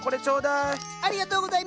ありがとうございます！